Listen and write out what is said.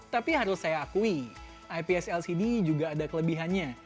tapi harus saya akui ips lcd juga ada kelebihannya